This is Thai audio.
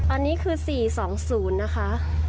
อันนี้คือ๔๒๐นะคะ